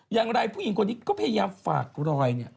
อย่างไรผู้หญิงคนนี้ก็พยายามฝากรอยเนี่ย